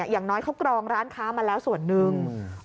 อย่างน้อยเขากรองร้านค้ามาแล้วส่วนหนึ่ง